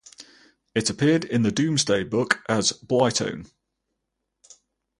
It appeared in the "Domesday Book" as "Blitone".